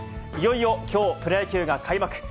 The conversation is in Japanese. いよいよきょう、プロ野球が開幕。